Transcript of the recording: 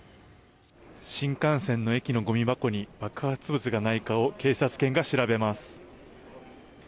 新幹線の駅のゴミ箱に爆発物がないかを警察犬が調べます。